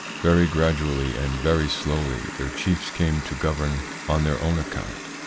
Very gradually and very slowly their chiefs came to govern on their own account.